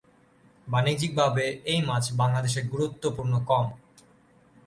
বাণিজ্যিকভাবে এই মাছ বাংলাদেশে গুরুত্বপূর্ণ কম।